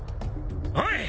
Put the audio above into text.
おい！